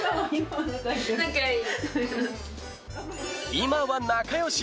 今は仲良し！